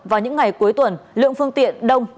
vào những ngày cuối tuần lượng phương tiện đông